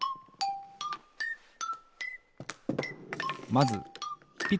まず「ピ」「タ」